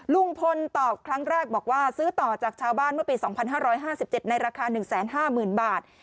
ลุงพลตอบครั้งแรกบอกว่าซื้อต่อจากชาวบ้านเมื่อปี๒๕๕๗ในราคา๑๕๐๐๐บาท